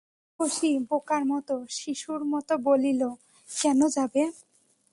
শশী বোকার মতো, শিশুর মতো বলিল, কেন যাবে?